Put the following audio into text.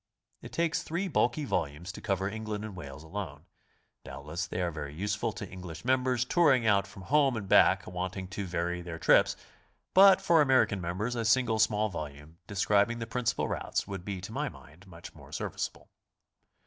It takes three bulky volumes to cover England and Wales alone. Doubtless they are very useful to English members touring out from home and back, wanting to vary their trips, but for American members a single small volume de scribing the principal routes would be to my mind much more serviceable.